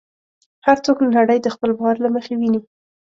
هر څوک نړۍ د خپل باور له مخې ویني.